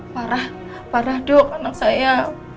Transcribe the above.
parah parah dok anak saya